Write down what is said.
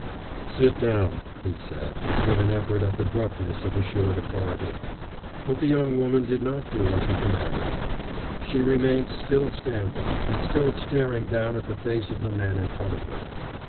"Sit down," he said with an effort at the gruffness of assured authority. But the young woman did not do as he commanded. She remained still standing, and still staring down at the face of the man in front of her.